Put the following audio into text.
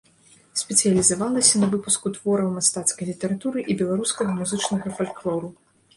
Спецыялізавалася на выпуску твораў мастацкай літаратуры і беларускага музычнага фальклору.